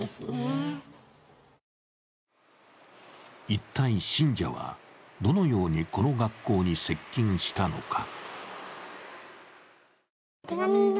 一体、信者は、どのようにこの学校に接近したのか？